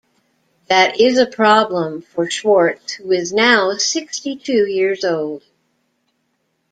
That is a problem for Schwartz, who is now sixty-two years old.